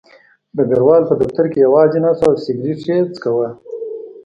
ډګروال په دفتر کې یوازې ناست و او سګرټ یې څښه